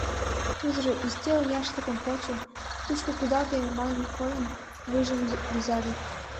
Тудыжо, ӱстел яшлыкым почо, «тушко кудалте» маншын койын, вуйжым рӱзале.